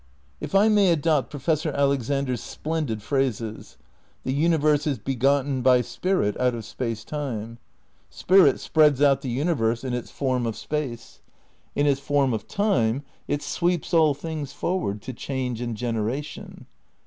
If I may adopt Professor Alexander's splendid phrases: The universe is begotten by Spirit out of Space Time. Spirit spreads out the universe in its form of Space. In its form of Time it sweeps all things forward to change and generation.